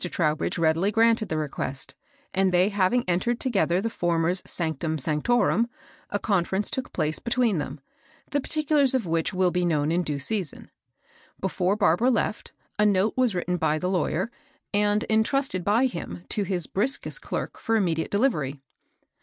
Trowbridge readily granted the request, and they haiHng entered together the feccs^^ 416 MABEL BOSS. ionctiim $(mdorum^ a conference took place be tween them, the particulars of which will be known in due season. Before Barbara left, a note was written by the lawyer, and entrusted by him to his brid^est clerk for immediate delivery.